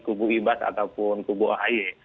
kubu ibas ataupun kubu ahy